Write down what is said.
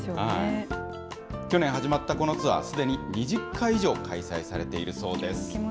去年始まったこのツアー、すでに２０回以上開催されているそうです。